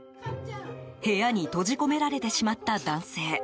部屋に閉じ込められてしまった男性。